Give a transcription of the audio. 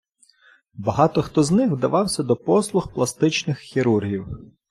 Багато хто з них вдавався до послуг пластичних хірургів.